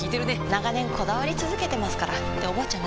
長年こだわり続けてますからっておばあちゃん